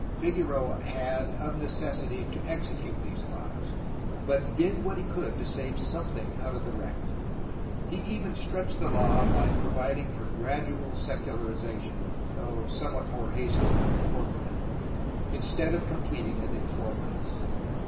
Figueroa had of necessity to execute these laws, but did what he could to save something out of the wreck. He even 470 A HISTORY OF CALIFORNIA stretched the law by providing for gradual secularization (though somewhat more hastened than formerly), instead of completing it in four months.